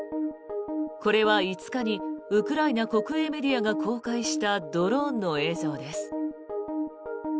これは５日にウクライナ国営メディアが公開したドローンの映像です。